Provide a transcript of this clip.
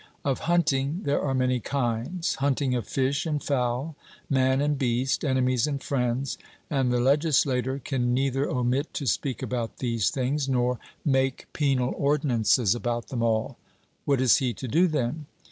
Of hunting there are many kinds hunting of fish and fowl, man and beast, enemies and friends; and the legislator can neither omit to speak about these things, nor make penal ordinances about them all. 'What is he to do then?'